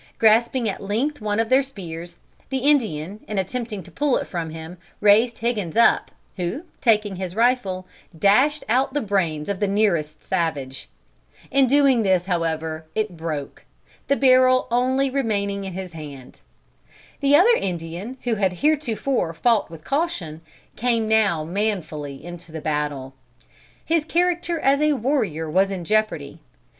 Grasping at length one of their spears, the Indian, in attempting to pull it from him, raised Higgins up, who, taking his rifle, dashed out the brains of the nearest savage. In doing this, however, it broke, the barrel only remaining in his hand. The other Indian, who had heretofore fought with caution, came now manfully into the battle. His character as a warrior was in jeopardy.